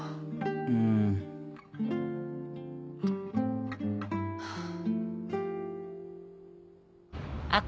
うん。ハァ。